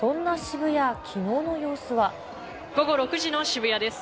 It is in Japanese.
午後６時の渋谷です。